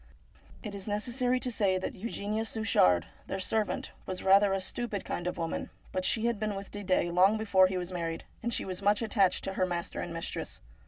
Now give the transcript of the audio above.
It is necessary to say that Eugenia Suchard, their servant, was rather a. stupid kind of woman ; but she had been with Didet long before he was married, and she was much attached to her master and mistress.